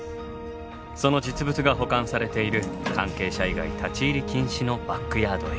その実物が保管されている関係者以外立ち入り禁止のバックヤードへ。